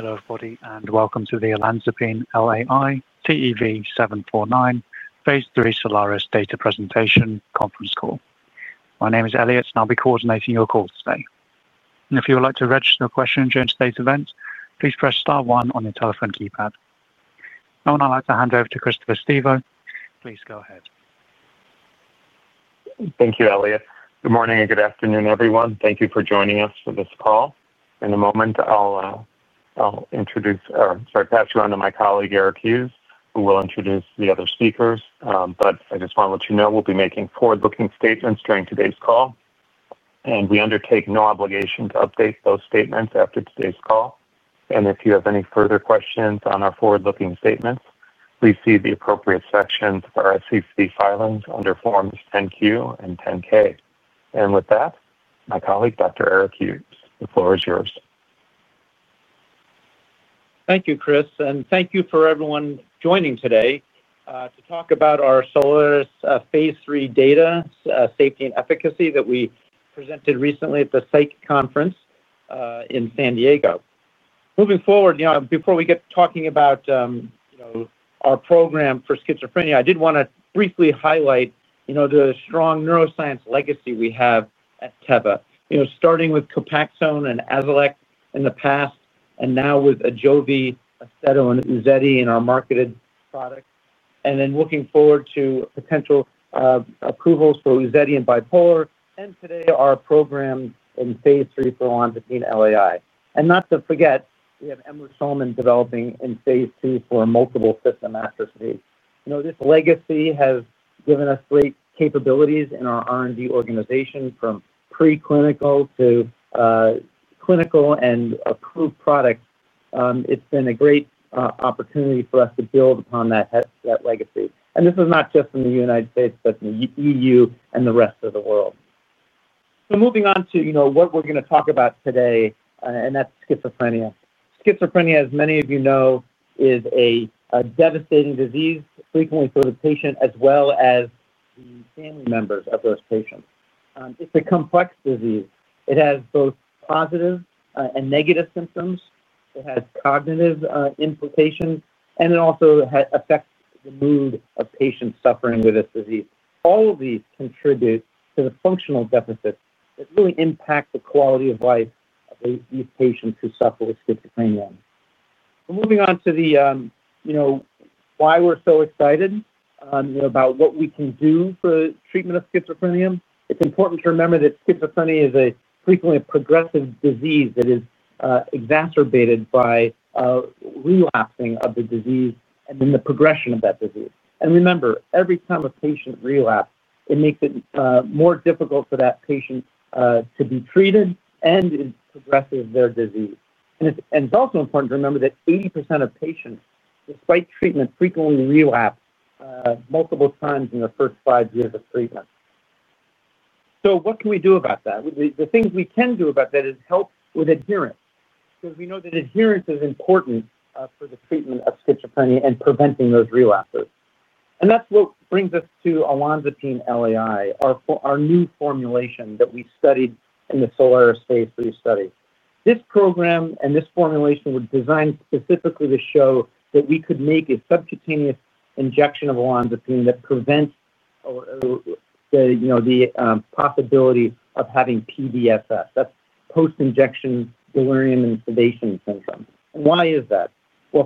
Hello everybody, and welcome to the Olanzapine LAI TEV-749 phase III SOLARIS data presentation conference call. My name is Elliot, and I'll be coordinating your call today. If you would like to register a question during today's event, please press *1 on your telephone keypad. Now I'd like to hand over to Christopher Stevo. Please go ahead. Thank you, Elliot. Good morning and good afternoon, everyone. Thank you for joining us for this call. In a moment, I'll pass you on to my colleague Dr. Eric Hughes, who will introduce the other speakers. I just want to let you know we'll be making forward-looking statements during today's call, and we undertake no obligation to update those statements after today's call. If you have any further questions on our forward-looking statements, please see the appropriate sections of our SEC filings under Forms 10Q and 10K. With that, my colleague Dr. Eric Hughes, the floor is yours. Thank you, Chris, and thank you for everyone joining today to talk about our SOLARIS phase III data safety and efficacy that we presented recently at the Psych Conference in San Diego. Moving forward, before we get to talking about our program for schizophrenia, I did want to briefly highlight the strong neuroscience legacy we have at Teva, starting with COPAXONE and AZILECT in the past, and now with AJOVY, Acetaminophen, and UZEDY in our marketed products. Looking forward to potential approvals for UZEDY in bipolar, and today our program in phase III for Olanzapine LAI. Not to forget, we have Emma Schulman developing in phase III for multiple system atrophy. This legacy has given us great capabilities in our R&D organization from preclinical to clinical and approved products. It's been a great opportunity for us to build upon that legacy. This is not just in the United States., but in the EU and the rest of the world. Moving on to what we're going to talk about today, and that's schizophrenia. Schizophrenia, as many of you know, is a devastating disease, frequently for the patient as well as the family members of those patients. It's a complex disease. It has both positive and negative symptoms. It has cognitive implications, and it also affects the mood of patients suffering with this disease. All of these contribute to the functional deficits that really impact the quality of life of these patients who suffer with schizophrenia. Moving on to why we're so excited about what we can do for the treatment of schizophrenia, it's important to remember that schizophrenia is frequently a progressive disease that is exacerbated by relapsing of the disease and then the progression of that disease. Remember, every time a patient relapses, it makes it more difficult for that patient to be treated, and it progresses their disease. It's also important to remember that 80% of patients, despite treatment, frequently relapse multiple times in the first five years of treatment. What can we do about that? The things we can do about that is help with adherence, because we know that adherence is important for the treatment of schizophrenia and preventing those relapses. That's what brings us to Olanzapine LAI, our new formulation that we studied in the SOLARIS phase III study. This program and this formulation were designed specifically to show that we could make a subcutaneous injection of Olanzapine that prevents the possibility of having PDSS. That's Post-Injection Delirium and Sedation Syndrome. Why is that?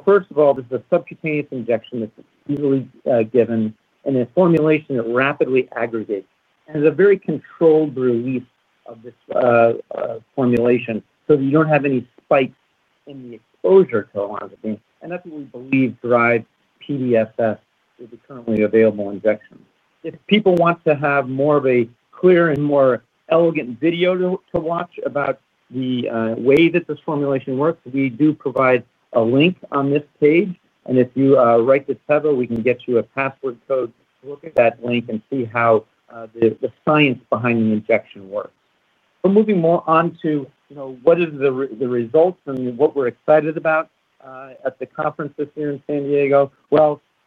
First of all, this is a subcutaneous injection that's easily given, and the formulation rapidly aggregates. It's a very controlled release of this formulation so that you don't have any spikes in the exposure to Olanzapine, and that's what we believe drives PDSS with the currently available injections. If people want to have a clear and more elegant video to watch about the way that this formulation works, we do provide a link on this page. If you write to Teva, we can get you a password code to look at that link and see how the science behind the injection works. Moving on to what are the results and what we're excited about at the conference this year in San Diego,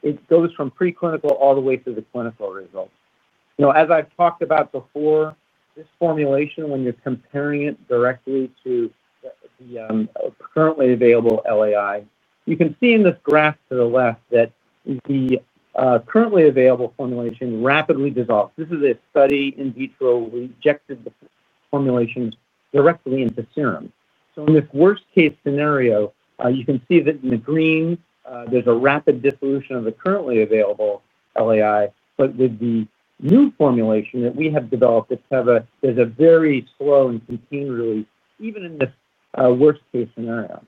it goes from preclinical all the way to the clinical results. As I've talked about before, this formulation, when you're comparing it directly to the currently available LAI, you can see in this graph to the left that the currently available formulation rapidly dissolves. This is a study in vitro, rejected formulations directly into serum. In this worst-case scenario, you can see that in the green, there's a rapid dissolution of the currently available LAI, but with the new formulation that we have developed at Teva, there's a very slow and continued release, even in this worst-case scenario.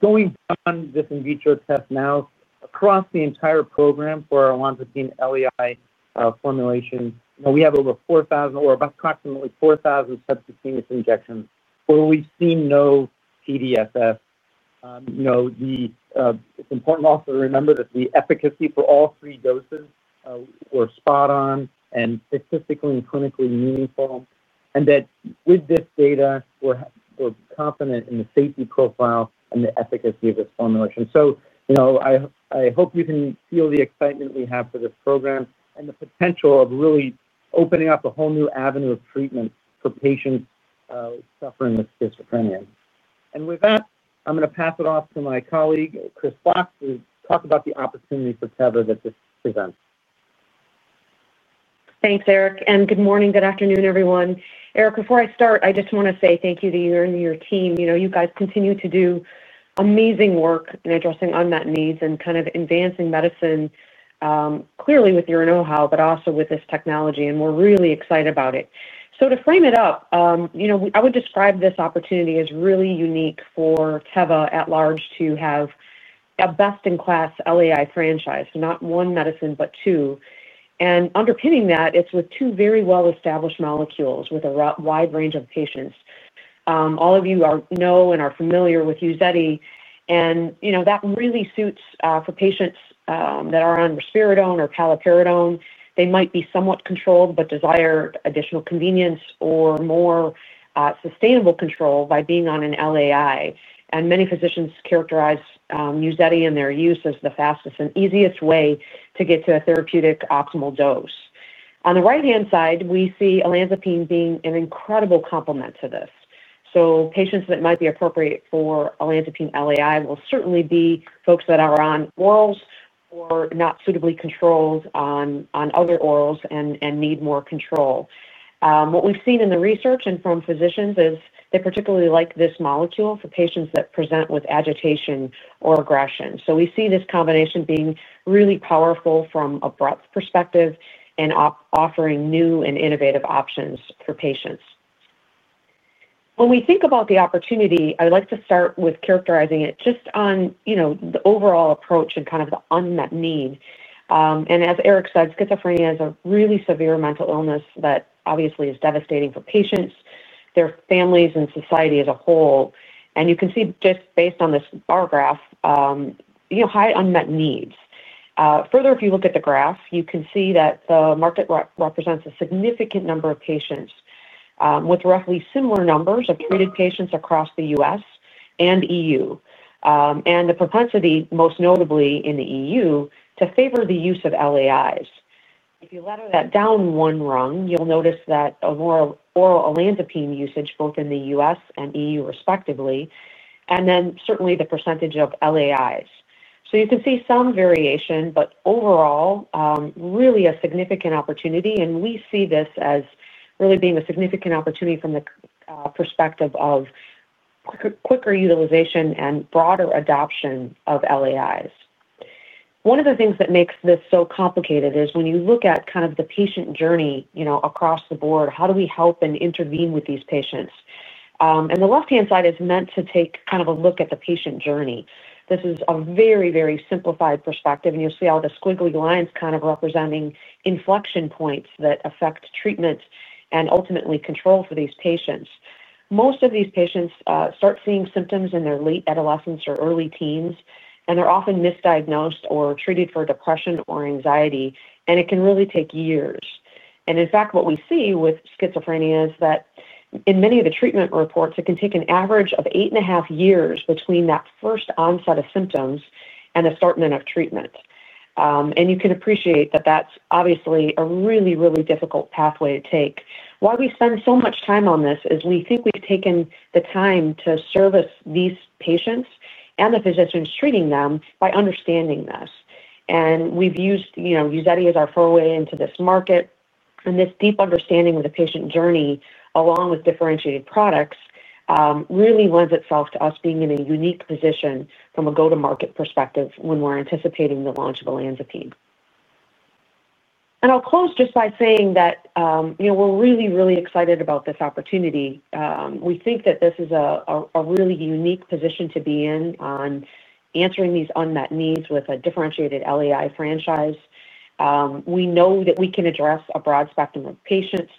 Going on this in vitro test now, across the entire program for our Olanzapine LAI formulation, we have over 4,000 or approximately 4,000 subcutaneous injections where we've seen no PDSS. It's important also to remember that the efficacy for all three doses was spot on and statistically and clinically meaningful, and that with this data, we're confident in the safety profile and the efficacy of this formulation. I hope you can feel the excitement we have for this program and the potential of really opening up a whole new avenue of treatment for patients suffering with schizophrenia. With that, I'm going to pass it off to my colleague Chris Fox to talk about the opportunity for Teva that this presents. Thanks, Eric, and good morning, good afternoon, everyone. Eric, before I start, I just want to say thank you to you and your team. You guys continue to do amazing work in addressing unmet needs and advancing medicine, clearly with your know-how, but also with this technology, and we're really excited about it. To frame it up, I would describe this opportunity as really unique for Teva at large to have a best-in-class LAI franchise, not one medicine, but two. Underpinning that is with two very well-established molecules with a wide range of patients. All of you know and are familiar with UZEDY, and that really suits for patients that are on risperidone or paliperidone. They might be somewhat controlled but desire additional convenience or more sustainable control by being on an LAI. Many physicians characterize UZEDY and their use as the fastest and easiest way to get to a therapeutic optimal dose. On the right-hand side, we see Olanzapine being an incredible complement to this. Patients that might be appropriate for Olanzapine LAI will certainly be folks that are on orals or not suitably controlled on other orals and need more control. What we've seen in the research and from physicians is they particularly like this molecule for patients that present with agitation or aggression. We see this combination being really powerful from a breadth perspective and offering new and innovative options for patients. When we think about the opportunity, I'd like to start with characterizing it just on the overall approach and the unmet need. As Eric said, schizophrenia is a really severe mental illness that obviously is devastating for patients, their families, and society as a whole. You can see just based on this bar graph, high unmet needs. Further, if you look at the graph, you can see that the market represents a significant number of patients with roughly similar numbers of treated patients across the U.S. and EU, and the propensity most notably in the EU to favor the use of LAIs. If you ladder that down one rung, you'll notice that oral Olanzapine usage both in the U.S. and EU respectively, and then certainly the percentage of LAIs. You can see some variation, but overall, really a significant opportunity, and we see this as really being a significant opportunity from the perspective of quicker utilization and broader adoption of LAIs. One of the things that makes this so complicated is when you look at kind of the patient journey, you know, across the board, how do we help and intervene with these patients? The left-hand side is meant to take kind of a look at the patient journey. This is a very, very simplified perspective, and you'll see all the squiggly lines kind of representing inflection points that affect treatment and ultimately control for these patients. Most of these patients start seeing symptoms in their late adolescence or early teens, and they're often misdiagnosed or treated for depression or anxiety, and it can really take years. In fact, what we see with schizophrenia is that in many of the treatment reports, it can take an average of eight and a half years between that first onset of symptoms and the starting of treatment. You can appreciate that that's obviously a really, really difficult pathway to take. Why we spend so much time on this is we think we've taken the time to service these patients and the physicians treating them by understanding this. We've used, you know, UZEDY as our foray into this market, and this deep understanding of the patient journey along with differentiated products really lends itself to us being in a unique position from a go-to-market perspective when we're anticipating the launch of Olanzapine. I'll close just by saying that, you know, we're really, really excited about this opportunity. We think that this is a really unique position to be in on answering these unmet needs with a differentiated LAI franchise. We know that we can address a broad spectrum of patients.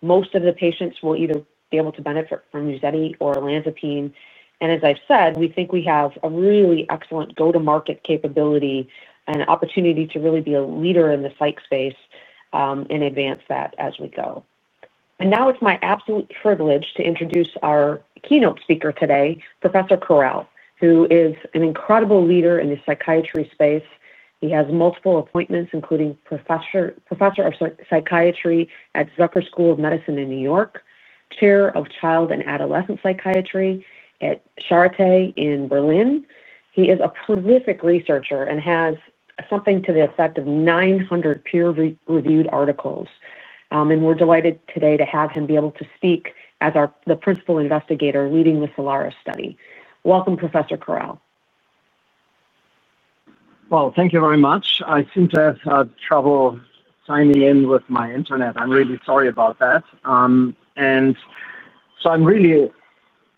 Most of the patients will either be able to benefit from UZEDY or Olanzapine, and as I've said, we think we have a really excellent go-to-market capability and opportunity to really be a leader in the psych space and advance that as we go. Now it's my absolute privilege to introduce our keynote speaker today, Professor Christoph Correll, who is an incredible leader in the psychiatry space. He has multiple appointments, including Professor of Psychiatry at Zucker School of Medicine in New York, Chair of Child and Adolescent Psychiatry at Charité Berlin. He is a prolific researcher and has something to the effect of 900 peer-reviewed articles, and we're delighted today to have him be able to speak as our principal investigator leading the SOLARIS study. Welcome, Professor Correll. Thank you very much. I seem to have had trouble signing in with my internet. I'm really sorry about that. I'm really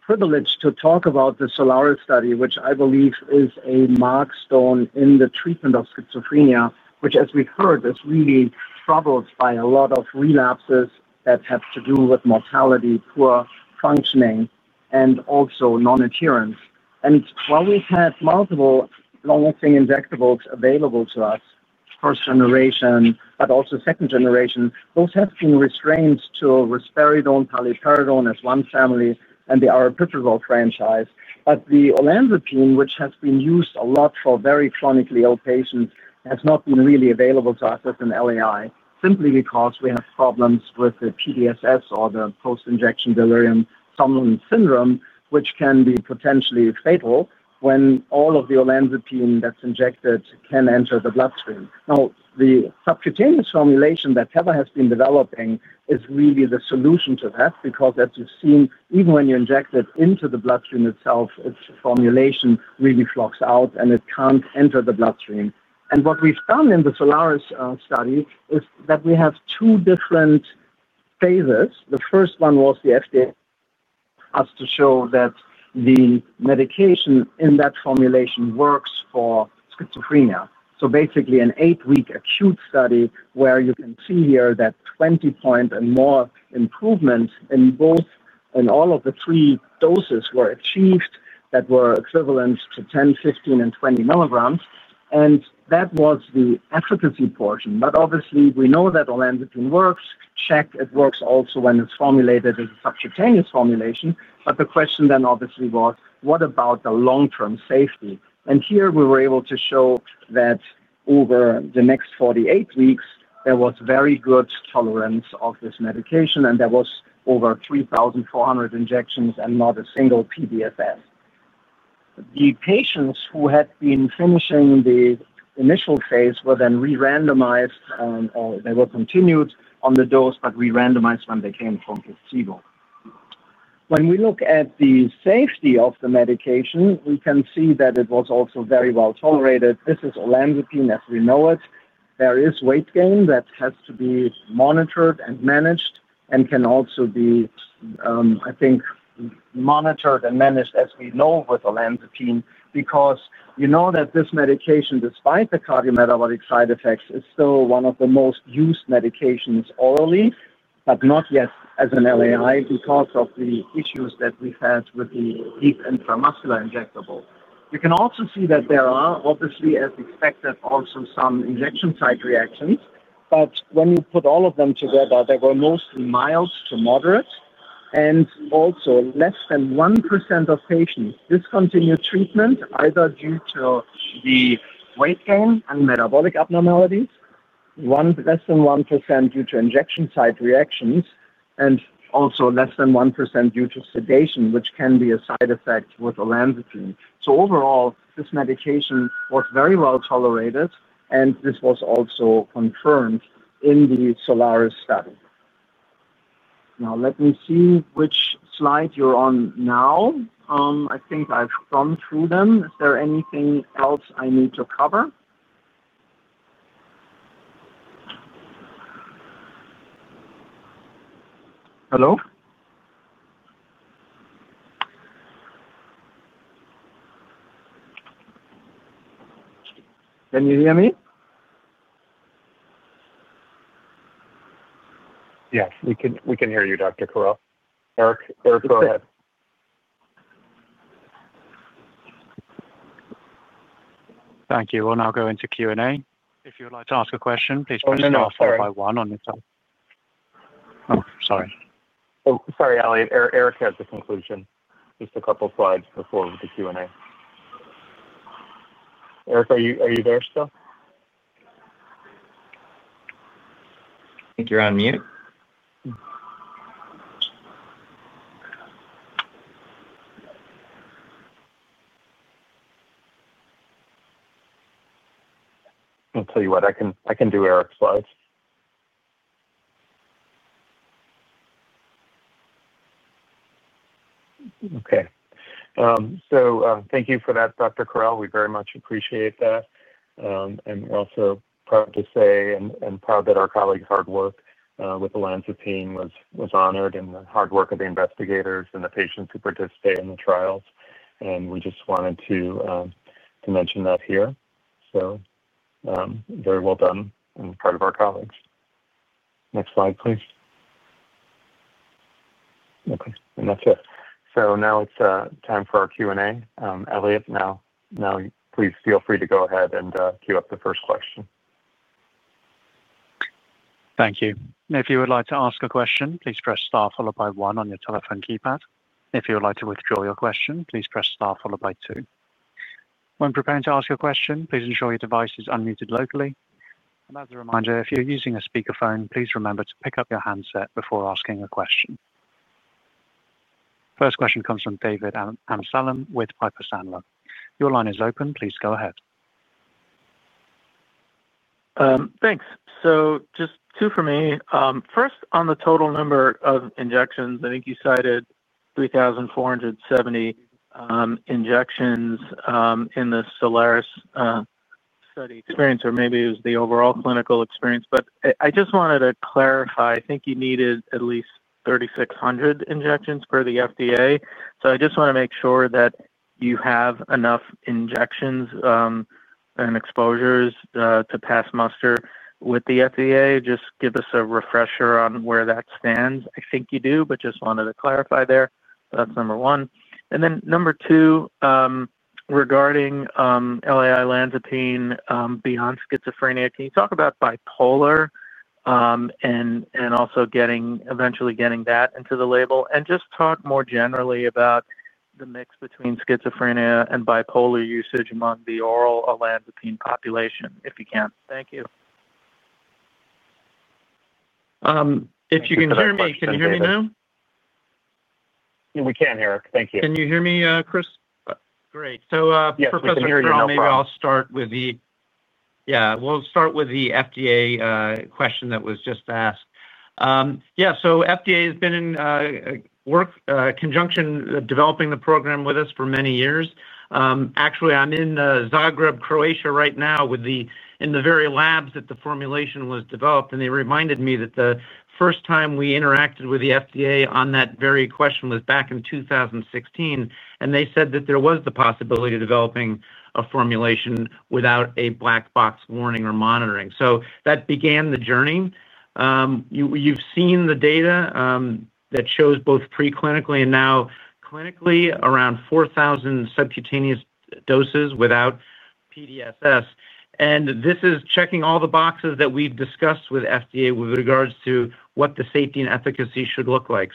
privileged to talk about the SOLARIS study, which I believe is a milestone in the treatment of schizophrenia, which, as we've heard, is really troubled by a lot of relapses that have to do with mortality, poor functioning, and also nonadherence. While we've had multiple long-acting injectables available to us, first generation, but also second generation, those have been restrained to risperidone, paliperidone as one family, and they are a preferable franchise. The Olanzapine, which has been used a lot for very chronically ill patients, has not been really available to us within LAI simply because we have problems with the PDSS or the Post-Injection Delirium/Sedation Syndrome, which can be potentially fatal when all of the Olanzapine that's injected can enter the bloodstream. The subcutaneous formulation that Teva has been developing is really the solution to that because, as you've seen, even when you inject it into the bloodstream itself, its formulation really flocks out, and it can't enter the bloodstream. What we've done in the SOLARIS study is that we have two different phases. The first one was the FDA to show that the medication in that formulation works for schizophrenia. Basically, an eight-week acute study where you can see here that 20-point and more improvement in both and all of the three doses were achieved that were equivalent to 10 mg, 15 mg, and 20 mg. That was the efficacy portion. Obviously, we know that Olanzapine works. Check, it works also when it's formulated as a subcutaneous formulation. The question then obviously was, what about the long-term safety? Here, we were able to show that over the next 48 weeks, there was very good tolerance of this medication, and there were over 3,400 injections and not a single PDSS. The patients who had been finishing the initial phase were then re-randomized, or they were continued on the dose, but re-randomized when they came from placebo. When we look at the safety of the medication, we can see that it was also very well tolerated. This is Olanzapine as we know it. There is weight gain that has to be monitored and managed and can also be, I think, monitored and managed as we know with Olanzapine because you know that this medication, despite the cardiometabolic side effects, is still one of the most used medications orally, but not yet as an LAI because of the issues that we've had with the deep intramuscular injectable. You can also see that there are, obviously, as expected, also some injection site reactions. When you put all of them together, they were mostly mild to moderate, and also less than 1% of patients discontinued treatment either due to the weight gain and metabolic abnormalities, less than 1% due to injection site reactions, and also less than 1% due to sedation, which can be a side effect with Olanzapine. Overall, this medication was very well tolerated, and this was also confirmed in the SOLARIS study. Now, let me see which slide you're on now. I think I've gone through them. Is there anything else I need to cover? Hello? Can you hear me? Yes, we can hear you, Professor Correll. Eric, go ahead. Thank you. We'll now go into Q&A. If you would like to ask a question, please go ahead and ask one by one on your side. Sorry. Oh, sorry, Eliyahu. Dr. Eric Hughes had the conclusion. Just a couple of slides before the Q&A. Eric, are you there still? I think you're on mute. I'll tell you what, I can do Eric's slides. Thank you for that, Dr. Correll. We very much appreciate that. We're also proud to say and proud that our colleagues' hard work with Olanzapine was honored and the hard work of the investigators and the patients who participated in the trials. We just wanted to mention that here. Very well done on the part of our colleagues. Next slide, please. That's it. Now it's time for our Q&A. Elliot, please feel free to go ahead and queue up the first question. Thank you. If you would like to ask a question, please press *1 on your telephone keypad. If you would like to withdraw your question, please press *2. When preparing to ask a question, please ensure your device is unmuted locally. As a reminder, if you're using a speakerphone, please remember to pick up your handset before asking a question. First question comes from David Amsellem with Piper Sandler. Your line is open. Please go ahead. Thanks. Just two for me. First, on the total number of injections, I think you cited 3,470 injections in the SOLARIS study experience, or maybe it was the overall clinical experience. I just wanted to clarify, I think you needed at least 3,600 injections per the FDA. I just want to make sure that you have enough injections and exposures to pass muster with the FDA. Just give us a refresher on where that stands. I think you do, just wanted to clarify there. That's number one. Number two, regarding LAI Olanzapine beyond schizophrenia, can you talk about bipolar and also eventually getting that into the label? Just talk more generally about the mix between schizophrenia and bipolar usage among the oral Olanzapine population if you can. Thank you. Can you hear me now? We can, Eric. Thank you. Can you hear me, Chris? Great. Professor Correll, maybe I'll start with the FDA question that was just asked. FDA has been in conjunction developing the program with us for many years. Actually, I'm in Zagreb, Croatia right now in the very labs that the formulation was developed, and they reminded me that the first time we interacted with the FDA on that very question was back in 2016, and they said that there was the possibility of developing a formulation without a black box warning or monitoring. That began the journey. You've seen the data that shows both preclinically and now clinically around 4,000 subcutaneous doses without PDSS. This is checking all the boxes that we've discussed with FDA with regards to what the safety and efficacy should look like.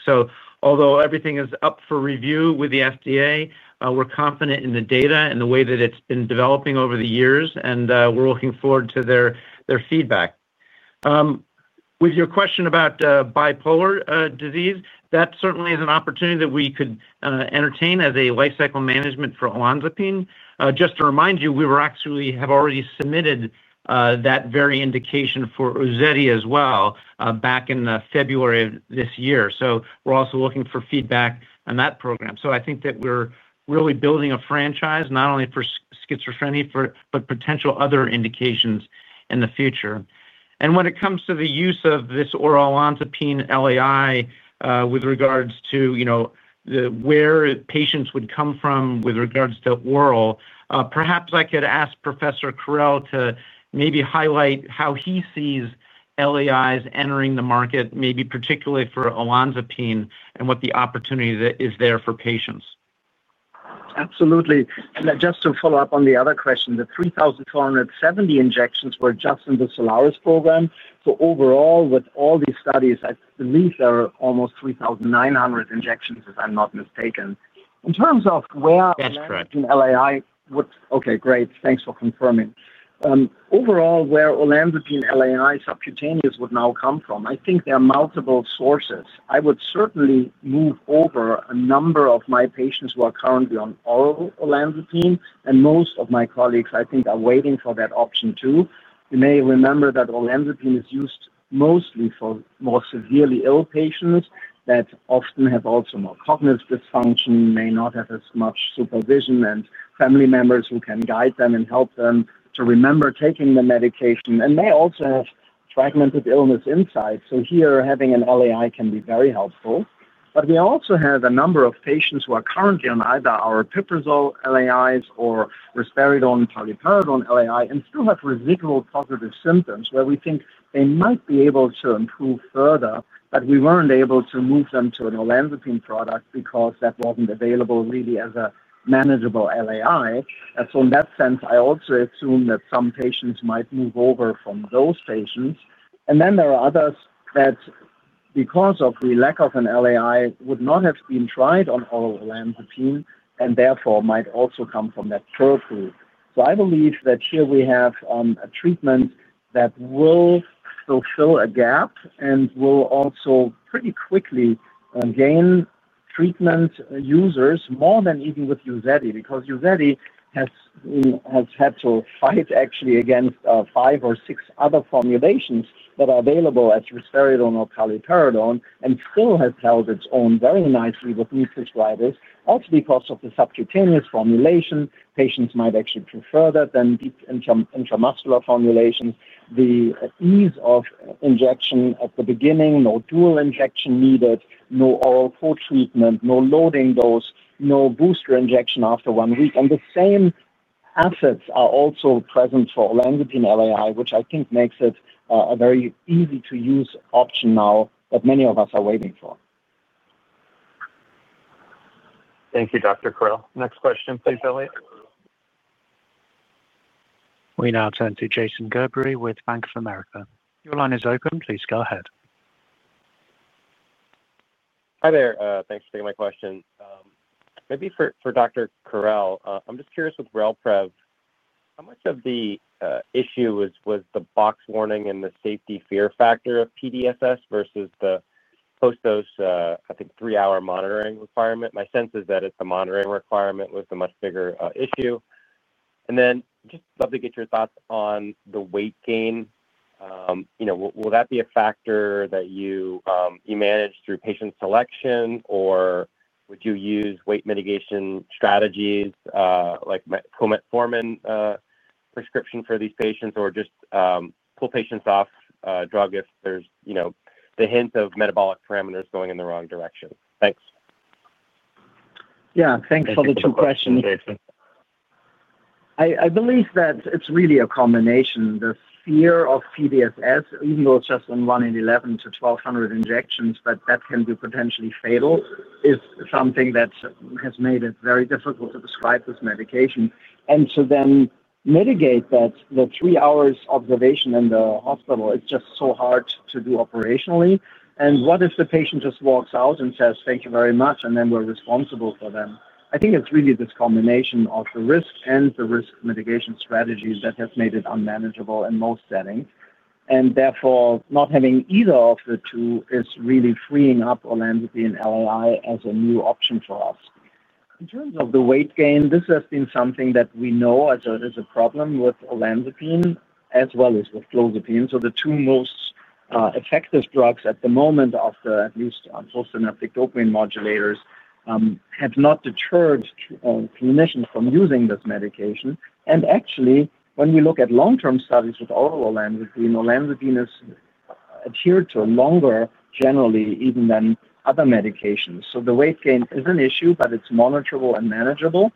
Although everything is up for review with the FDA, we're confident in the data and the way that it's been developing over the years, and we're looking forward to their feedback. With your question about bipolar disorder, that certainly is an opportunity that we could entertain as a lifecycle management for Olanzapine. Just to remind you, we actually have already submitted that very indication for UZEDY as well back in February of this year. We're also looking for feedback on that program. I think that we're really building a franchise not only for schizophrenia, but potential other indications in the future. When it comes to the use of this oral Olanzapine LAI with regards to where patients would come from with regards to oral, perhaps I could ask Professor Correll to maybe highlight how he sees LAIs entering the market, maybe particularly for Olanzapine, and what the opportunity is there for patients. Absolutely. Just to follow up on the other question, the 3,470 injections were just in the SOLARIS program. Overall, with all these studies, I believe there are almost 3,900 injections, if I'm not mistaken. In terms of where Olanzapine LAI would, okay, great. Thanks for confirming. Overall, where Olanzapine LAI subcutaneous would now come from, I think there are multiple sources. I would certainly move over a number of my patients who are currently on oral Olanzapine, and most of my colleagues, I think, are waiting for that option too. You may remember that Olanzapine is used mostly for more severely ill patients that often have also more cognitive dysfunction, may not have as much supervision, and family members who can guide them and help them to remember taking the medication, and may also have fragmented illness inside. Here, having an LAI can be very helpful. We also have a number of patients who are currently on either aripiprazole LAIs or risperidone and paliperidone LAI and still have residual positive symptoms where we think they might be able to improve further, but we weren't able to move them to an Olanzapine product because that wasn't available really as a manageable LAI. In that sense, I also assume that some patients might move over from those patients. There are others that, because of the lack of an LAI, would not have been tried on oral Olanzapine and therefore might also come from that third group. I believe that here we have a treatment that will fulfill a gap and will also pretty quickly gain treatment users more than even with UZEDY because UZEDY has had to fight actually against five or six other formulations that are available at risperidone or paliperidone and still has held its own very nicely with music gliders, also because of the subcutaneous formulation. Patients might actually prefer that than deep intramuscular formulation. The ease of injection at the beginning, no dual injection needed, no oral co-treatment, no loading dose, no booster injection after one week. The same assets are also present for Olanzapine LAI, which I think makes it a very easy-to-use option now that many of us are waiting for. Thank you, Professor Christoph Correll. Next question, please, Elliot. We now turn to Jason Gerberry with Bank of America. Your line is open. Please go ahead. Hi there. Thanks for taking my question. Maybe for Dr. Correll, I'm just curious with Relprevv, how much of the issue was the box warning and the safety fear factor of PDSS versus the post-dose, I think, three-hour monitoring requirement? My sense is that the monitoring requirement was the much bigger issue. I'd love to get your thoughts on the weight gain. You know, will that be a factor that you manage through patient selection, or would you use weight mitigation strategies like co-metformin prescription for these patients, or just pull patients off drug if there's, you know, the hint of metabolic parameters going in the wrong direction? Thanks. Yeah. Thanks for the two questions. I believe that it's really a combination. The fear of PDSS, even though it's just on one in 1,100 - 1,200 injections, but that can be potentially fatal, is something that has made it very difficult to prescribe this medication. To then mitigate that, three hours observation in the hospital is just so hard to do operationally. What if the patient just walks out and says, "Thank you very much," and then we're responsible for them? I think it's really this combination of the risk and the risk mitigation strategies that has made it unmanageable in most settings. Therefore, not having either of the two is really freeing up Olanzapine LAI as a new option for us. In terms of the weight gain, this has been something that we know as it is a problem with Olanzapine as well as with Clozapine. The two most effective drugs at the moment of the use of postsynaptic dopamine modulators have not deterred clinicians from using this medication. Actually, when you look at long-term studies with oral Olanzapine, Olanzapine has adhered to a longer generally, even than other medications. The weight gain is an issue, but it's monitorable and manageable.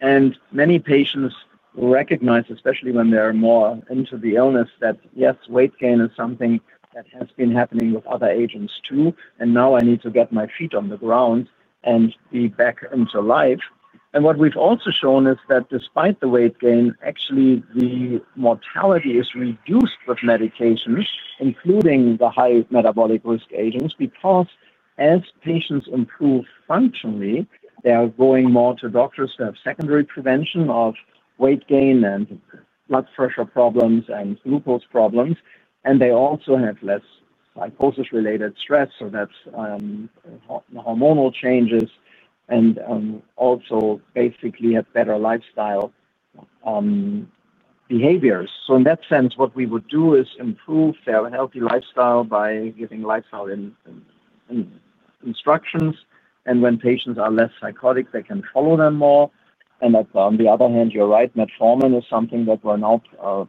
Many patients will recognize, especially when they're more into the illness, that yes, weight gain is something that has been happening with other agents too, and now I need to get my feet on the ground and be back into life. What we've also shown is that despite the weight gain, actually, the mortality is reduced with medications, including the high metabolic risk agents, because as patients improve functionally, they are going more to doctors to have secondary prevention of weight gain and blood pressure problems and glucose problems. They also have less psychosis-related stress, so that's hormonal changes, and also basically have better lifestyle behaviors. In that sense, what we would do is improve their healthy lifestyle by giving lifestyle instructions. When patients are less psychotic, they can follow them more. On the other hand, you're right, metformin is something that we're now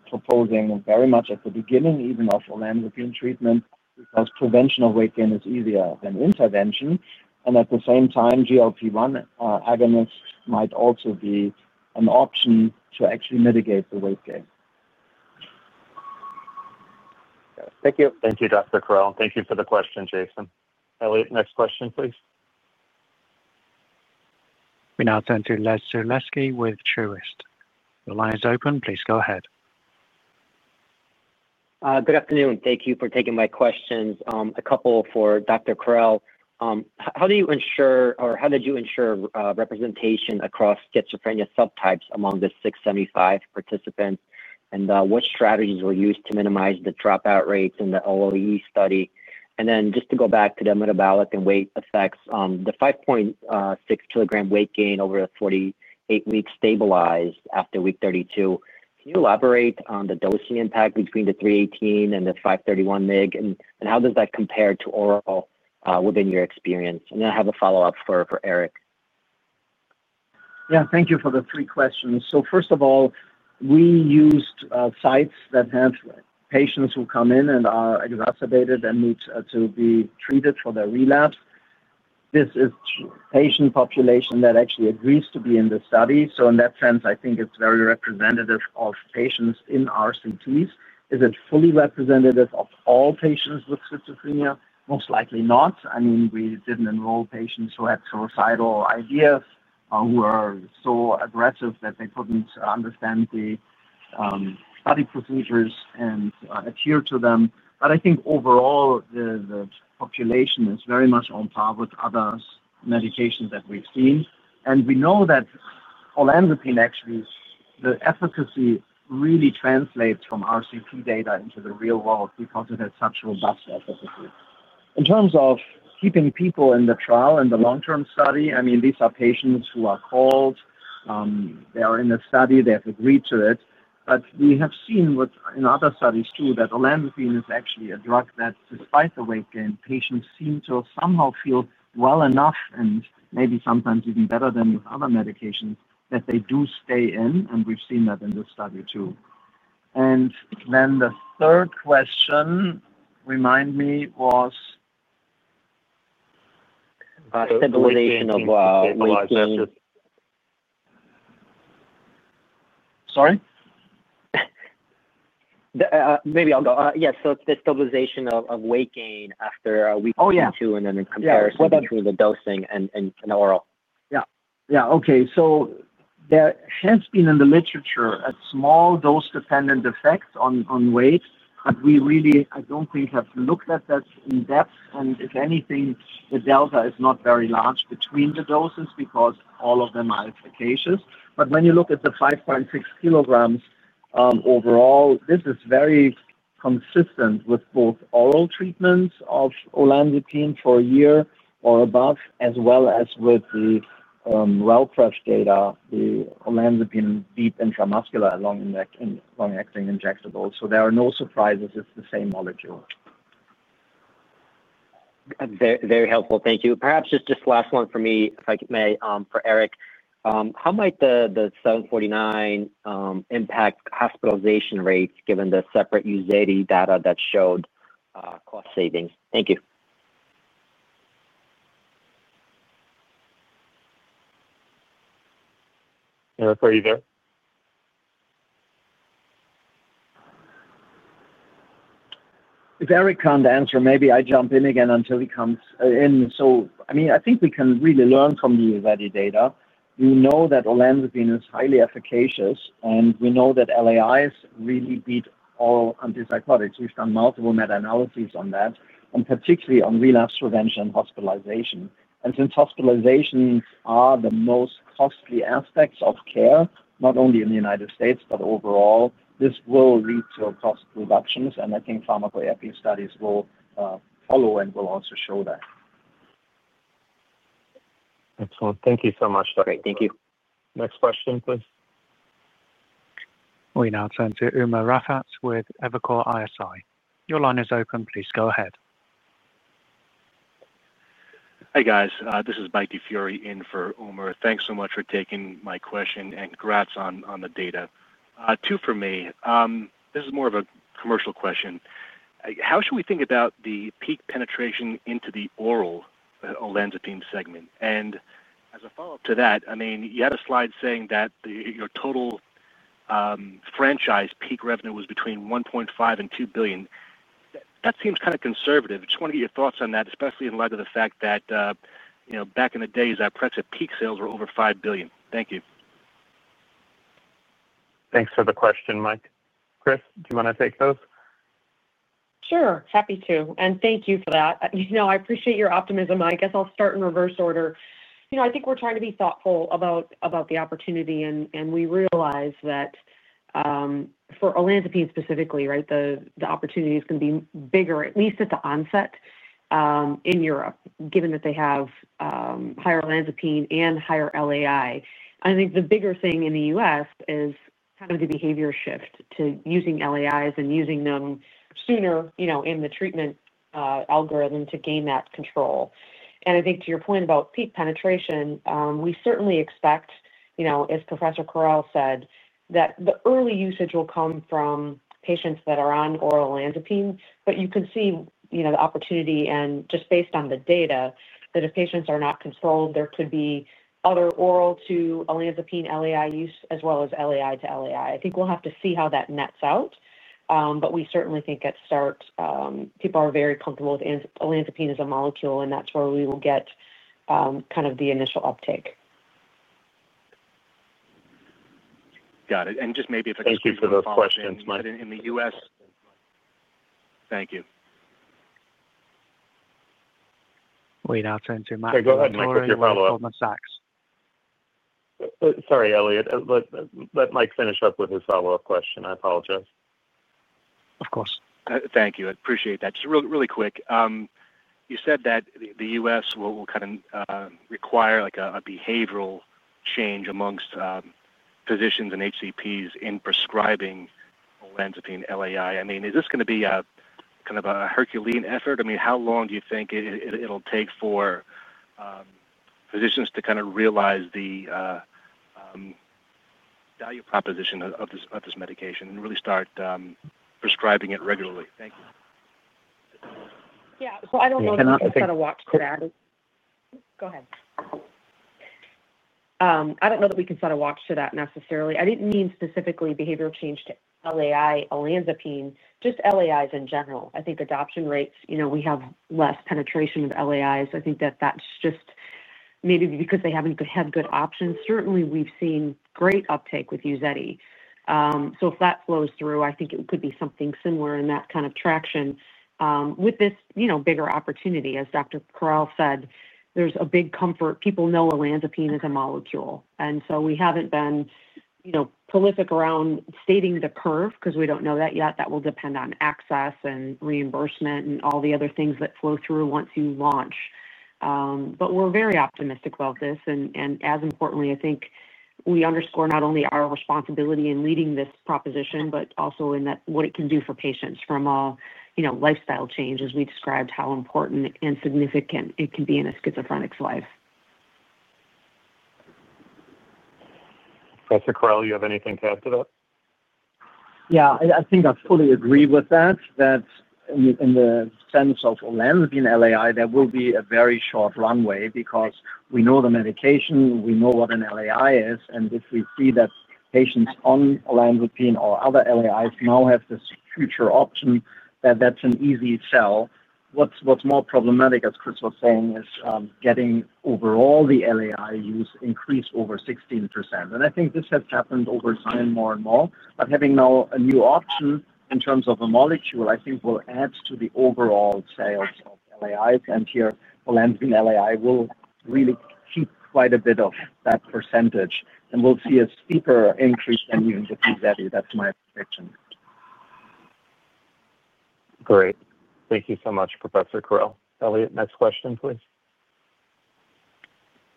proposing very much at the beginning even of Olanzapine treatment because prevention of weight gain is easier than intervention. At the same time, GLP-1 agonists might also be an option to actually mitigate the weight gain. Thank you. Thank you, Professor Christoph Correll. Thank you for the question, Jason. Elliot, next question, please. We now turn to Les Sulewski with Truist. Your line is open. Please go ahead. Good afternoon. Thank you for taking my questions. A couple for Dr. Correll. How do you ensure, or how did you ensure representation across schizophrenia subtypes among the 675 participants? What strategies were used to minimize the dropout rates in the OAE study? To go back to the metabolic and weight effects, the 5.6 kg weight gain over the 48 weeks stabilized after week 32. Can you elaborate on the dosing impact between the 318 mg and the 531 mg? How does that compare to oral within your experience? I have a follow-up for Eric. Thank you for the three questions. First of all, we used sites that have patients who come in and are exacerbated and need to be treated for their relapse. This is a patient population that actually agrees to be in the study. In that sense, I think it's very representative of patients in RCTs. Is it fully representative of all patients with schizophrenia? Most likely not. We didn't enroll patients who had suicidal ideas or who were so aggressive that they couldn't understand the study procedures and adhere to them. I think overall, the population is very much on par with other medications that we've seen. We know that Olanzapine, actually, the efficacy really translates from RCT data into the real world because it has such robust efficacy. In terms of keeping people in the trial and the long-term study, these are patients who are called. They are in the study. They have agreed to it. We have seen with other studies too that Olanzapine is actually a drug that, despite the weight gain, patients seem to somehow feel well enough and maybe sometimes even better than with other medications, that they do stay in, and we've seen that in this study too. The third question, remind me, was about the stabilization of weight gain. Sorry? I'll go. The stabilization of weight gain after week 32 and then in comparison, whether it be the dosing and oral. Yeah. Okay. There has been in the literature a small dose-dependent effect on weight, but we really, I don't think, have looked at that in depth. If anything, the delta is not very large between the doses because all of them are efficacious. When you look at the 5.6 kg overall, this is very consistent with both oral treatments of Olanzapine for a year or above, as well as with the WellCrush data, the Olanzapine deep intramuscular and long-acting injectables. There are no surprises. It's the same molecules. Very helpful. Thank you. Perhaps just this last one for me, if I may, for Eric. How might the 749 impact hospitalization rates given the separate UZEDY data that showed cost savings? Thank you. Eric, are you there? If Eric can't answer, maybe I jump in again until he comes in. I think we can really learn from the UZEDY data. We know that Olanzapine is highly efficacious, and we know that LAIs really beat all antipsychotics. We've done multiple meta-analyses on that, particularly on relapse prevention and hospitalization. Since hospitalizations are the most costly aspects of care, not only in the United States, but overall, this will lead to cost reductions. I think pharmacotherapy studies will follow and will also show that. Excellent. Thank you so much, Eric. Thank you. Next question, please. We now turn to Umer Raffat with Evercore ISI. Your line is open. Please go ahead. Hey, guys. This is Michael DiFiore in for Umer. Thanks so much for taking my question and congrats on the data. Two for me. This is more of a commercial question. How should we think about the peak penetration into the oral Olanzapine segment? As a follow-up to that, you had a slide saying that your total franchise peak revenue was between $1.5 billion and $2 billion. That seems kind of conservative. I just want to get your thoughts on that, especially in light of the fact that, you know, back in the days, I pressed at peak sales were over $5 billion. Thank you. Thanks for the question, Mike. Chris, do you want to take those? Sure. Happy to. Thank you for that. I appreciate your optimism. I guess I'll start in reverse order. I think we're trying to be thoughtful about the opportunity, and we realize that for Olanzapine specifically, the opportunity is going to be bigger, at least at the onset in Europe, given that they have higher Olanzapine and higher LAI. I think the bigger thing in the U.S. is kind of the behavior shift to using LAIs and using them sooner in the treatment algorithm to gain that control. To your point about peak penetration, we certainly expect, as Professor Correll said, that the early usage will come from patients that are on oral Olanzapine. You can see the opportunity, and just based on the data, that if patients are not controlled, there could be other oral to Olanzapine LAI use as well as LAI to LAI. I think we'll have to see how that nets out. We certainly think at start, people are very comfortable with Olanzapine as a molecule, and that's where we will get the initial uptake. Got it. Maybe if I can speak for the questions. Thank you. In the U.S. Thank you. We now turn to Matthew Toal with Goldman Sachs. Sorry, Elliot. Let Mike finish up with his follow-up question. I apologize. Of course. Thank you. I appreciate that. Just really, really quick. You said that the U.S. will kind of require like a behavioral change amongst physicians and HCPs in prescribing Olanzapine LAI. I mean, is this going to be a kind of a Herculean effort? I mean, how long do you think it'll take for physicians to kind of realize the value proposition of this medication and really start prescribing it regularly? Thank you. I don't know that we can set a watch to that necessarily. I didn't mean specifically behavioral change to LAI Olanzapine, just LAIs in general. I think adoption rates, you know, we have less penetration with LAIs. I think that that's just maybe because they haven't had good options. Certainly, we've seen great uptake with UZEDY. If that flows through, I think it could be something similar in that kind of traction. With this, you know, bigger opportunity, as Dr. Correll said, there's a big comfort. People know Olanzapine is a molecule. We haven't been, you know, prolific around stating the curve because we don't know that yet. That will depend on access and reimbursement and all the other things that flow through once you launch. We're very optimistic about this. As importantly, I think we underscore not only our responsibility in leading this proposition, but also in what it can do for patients from all, you know, lifestyle changes. We described how important and significant it can be in a schizophrenic's life. Professor Correll, you have anything to add to that? Yeah, I think I fully agree with that, that in the sense of Olanzapine LAI, there will be a very short runway because we know the medication, we know what an LAI is. If we see that patients on Olanzapine or other LAIs now have this future option, that's an easy sell. What's more problematic, as Chris was saying, is getting overall the LAI use increased over 16%. I think this has happened over time more and more. Having now a new option in terms of a molecule, I think will add to the overall sales of LAIs. Here, Olanzapine LAI will really keep quite a bit of that percentage, and we'll see a steeper increase than even with UZEDY. That's my prediction. Great. Thank you so much, Professor Correll. Elliot, next question, please.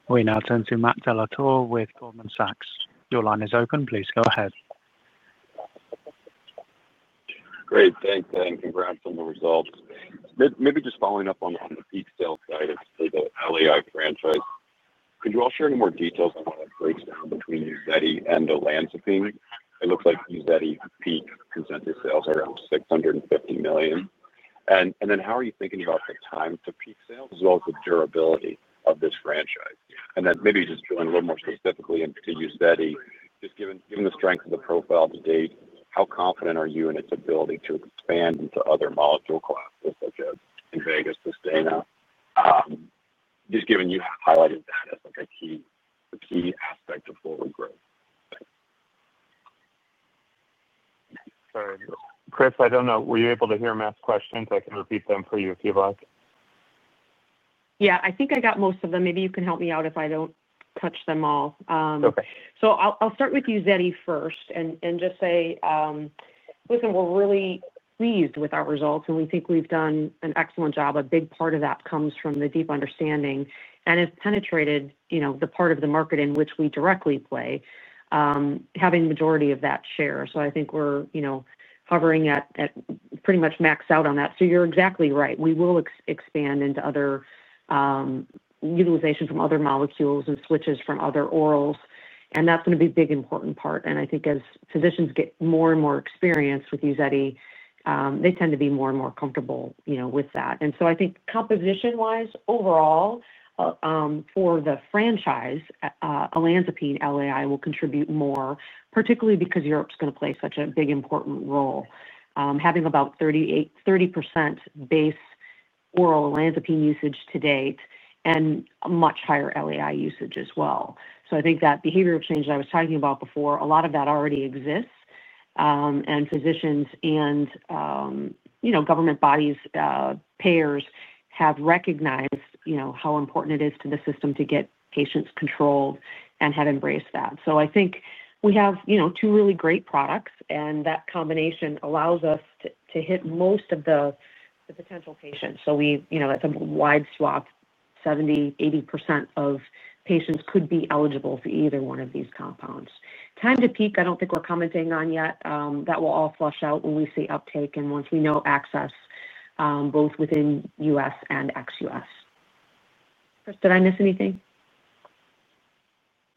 We now turn to Matthew Toal with Goldman Sachs. Your line is open. Please go ahead. Great. Thanks. Congrats on the results. Maybe just following up on the peak sales side of the LAI grant side, could you all share any more details on how that breaks down between UZEDY and Olanzapine? It looks like UZEDY peaked consensus sales at around $650 million. How are you thinking about the time to peak sales, as well as the durability of this franchise? Maybe just going a little more specifically into UZEDY, just given the strength of the profile to date, how confident are you in its ability to expand into other molecule classes such as Invega Sustenna? You highlighted that as a key aspect of forward growth. All right. Chris, I don't know. Were you able to hear Matt's question? I can repeat them for you if you'd like. Yeah, I think I got most of them. Maybe you can help me out if I don't touch them all. Okay. I'll start with UZEDY first and just say, listen, we're really pleased with our results, and we think we've done an excellent job. A big part of that comes from the deep understanding and has penetrated the part of the market in which we directly play, having the majority of that share. I think we're hovering at pretty much maxed out on that. You're exactly right. We will expand into other utilization from other molecules and switches from other orals. That's going to be a big, important part. I think as physicians get more and more experienced with UZEDY, they tend to be more and more comfortable with that. I think composition-wise, overall, for the franchise, Olanzapine LAI will contribute more, particularly because Europe's going to play such a big, important role, having about 30% base oral Olanzapine usage to date and a much higher LAI usage as well. I think that behavioral change that I was talking about before, a lot of that already exists. Physicians and government bodies, payers have recognized how important it is to the system to get patients controlled and have embraced that. I think we have two really great products, and that combination allows us to hit most of the potential patients. That's a wide swath. 70% 80% of patients could be eligible for either one of these compounds. Time to peak, I don't think we're commenting on yet. That will all flush out when we see uptake and once we know access, both within U.S. and ex-U.S. Chris, did I miss anything?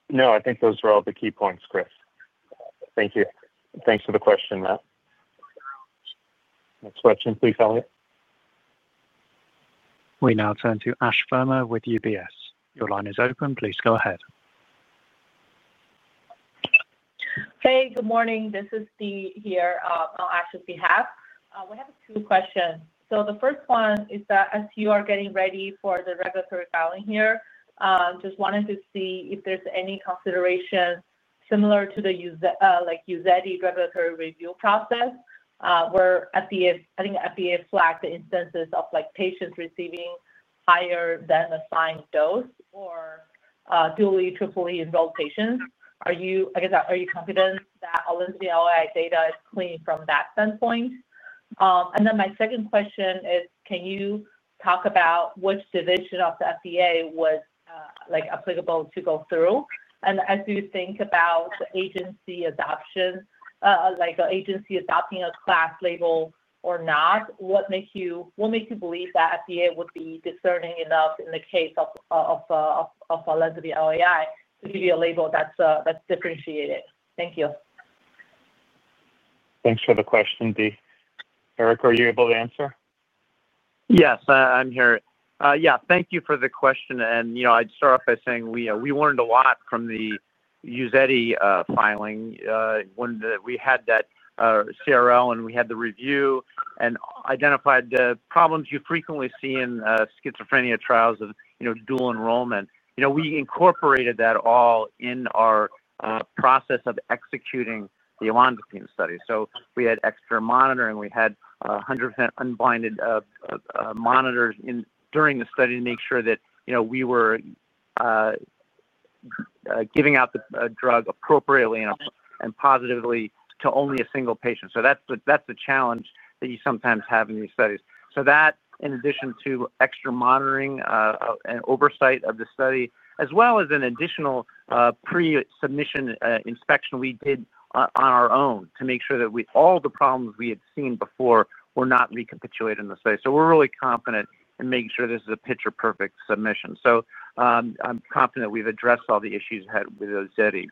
No. I think those were all the key points, Chris. Thank you. Thanks for the question, Matt. Next question, please, Elliot. We now turn to Ash Fermer with UBS. Your line is open. Please go ahead. Hey, good morning. This is Dee here on Ash's behalf. We have two questions. The first one is that as you are getting ready for the regulatory filing here, I just wanted to see if there's any consideration similar to the UZEDY regulatory review process where I think FDA flagged the instances of patients receiving higher than assigned dose or dually enrolled patients. Are you, I guess, are you confident that Olanzapine LAI data is clean from that standpoint? My second question is, can you talk about which division of the FDA was applicable to go through? As you think about agency adoption, like agency adopting a class label or not, what makes you believe that FDA would be discerning enough in the case of Olanzapine LAI to give you a label that's differentiated? Thank you. Thanks for the question, Dee. Eric, are you able to answer? Yes, I'm here. Thank you for the question. I'd start off by saying we learned a lot from the UZEDY filing when we had that CRL, and we had the review and identified the problems you frequently see in schizophrenia trials of dual enrollment. We incorporated that all in our process of executing the Olanzapine study. We had extra monitoring. We had 100% unblinded monitors during the study to make sure that we were giving out the drug appropriately and positively to only a single patient. That's the challenge that you sometimes have in these studies. In addition to extra monitoring and oversight of the study, we did an additional pre-submission inspection on our own to make sure that all the problems we had seen before were not recapitulated in the study. We're really confident in making sure this is a picture-perfect submission. I'm confident we've addressed all the issues ahead with UZEDY.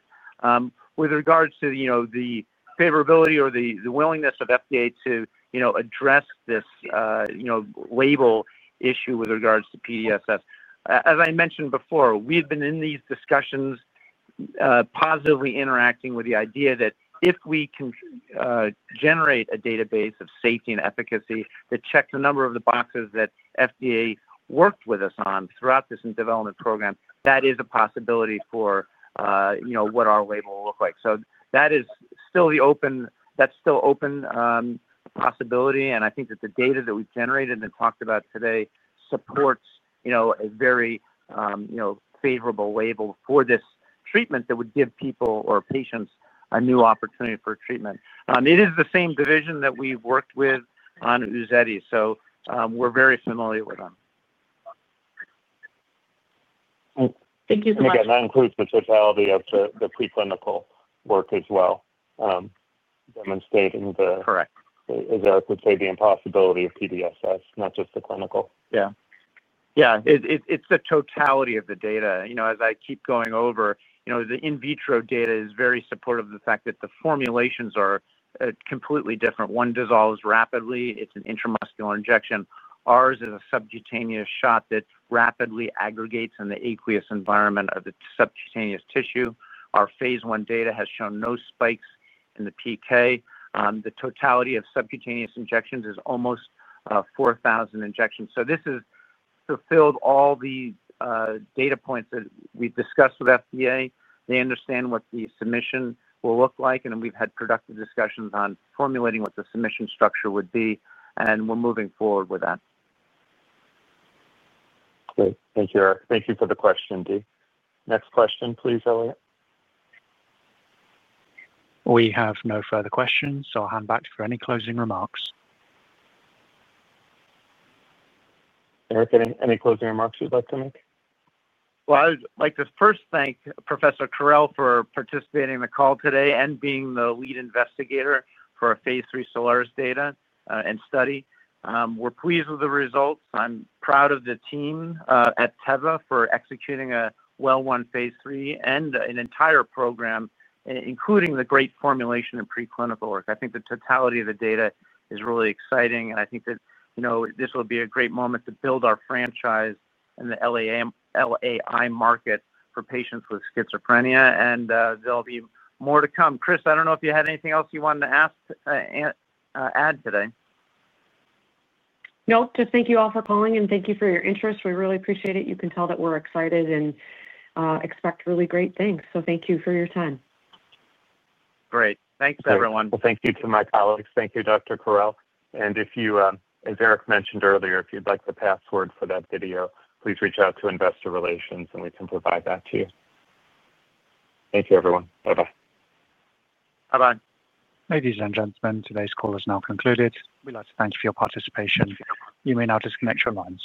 With regards to the favorability or the willingness of FDA to address this label issue with regards to PDSS, as I mentioned before, we've been in these discussions positively interacting with the idea that if we can generate a database of safety and efficacy that checked a number of the boxes that FDA worked with us on throughout this development program, that is a possibility for what our label will look like. That is still open possibility. I think that the data that we've generated and talked about today supports a very favorable label for this treatment that would give people or patients a new opportunity for treatment. It is the same division that we've worked with on UZEDY, so we're very familiar with them. Thank you so much. That includes the totality of the preclinical work as well, demonstrating, as Dr. Eric Hughes would say, the impossibility of PDSS, not just the clinical. Yeah. It's the totality of the data. As I keep going over, the in vitro data is very supportive of the fact that the formulations are completely different. One dissolves rapidly. It's an intramuscular injection. Ours is a subcutaneous shot that rapidly aggregates in the aqueous environment of the subcutaneous tissue. Our phase I data has shown no spikes in the PK. The totality of subcutaneous injections is almost 4,000 injections. This has fulfilled all the data points that we discussed with FDA. They understand what the submission will look like, and we've had productive discussions on formulating what the submission structure would be, and we're moving forward with that. Great. Thank you, Eric. Thank you for the question, Dee. Next question, please, Elliot. We have no further questions, so I'll hand back to you for any closing remarks. Eric, any closing remarks you'd like to make? I would like to first thank Professor Christoph Correll for participating in the call today and being the lead investigator for our phase III SOLARIS data and study. We're pleased with the results. I'm proud of the team at Teva for executing a well-run phase III and an entire program, including the great formulation and preclinical work. I think the totality of the data is really exciting, and I think that this will be a great moment to build our franchise in the LAI market for patients with schizophrenia. There will be more to come. Chris, I don't know if you had anything else you wanted to ask and add today. Thank you all for calling, and thank you for your interest. We really appreciate it. You can tell that we're excited and expect really great things. Thank you for your time. Great. Thanks, everyone. Thank you to my colleagues. Thank you, Dr. Correll. If you, as Eric mentioned earlier, would like the password for that video, please reach out to Investor Relations, and we can provide that to you. Thank you, everyone. Bye-bye. Bye-bye. Ladies and gentlemen, today's call is now concluded. We'd like to thank you for your participation. You may now disconnect your lines.